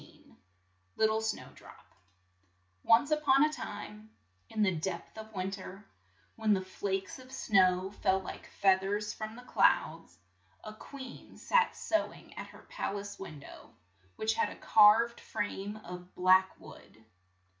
65 LITTLE SNOWDROP ONCE on a time in the depth of win ter, when the flakes of snow fell like fea thers from the clouds, a queen sat sew ing at her pal ace win dow, which had a carved frame of black wood.